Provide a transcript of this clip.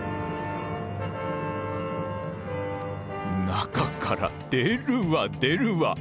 中から出るわ出るわ。